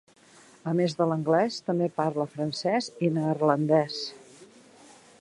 A més de l'anglès, també parla francès i neerlandès.